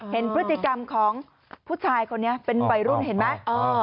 เห็นพฤติกรรมของผู้ชายคนนี้เป็นวัยรุ่นเห็นไหม